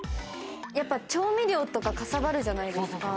やっぱ調味料とか、かさばるじゃないですか。